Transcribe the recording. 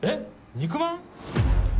肉まん？